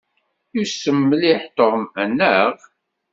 Yussem mliḥ Tom, anaɣ?